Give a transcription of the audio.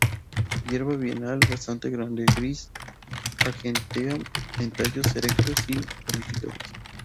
Hierba bienal bastante grande, gris argentea, de tallos erectos y ramificados.